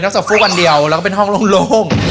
นอกจากฟูปอันเดียวแล้วก็เป็นห้องโล่ง